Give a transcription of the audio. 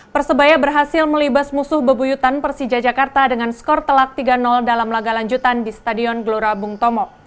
persebaya berhasil melibas musuh bebuyutan persija jakarta dengan skor telak tiga dalam laga lanjutan di stadion gelora bung tomo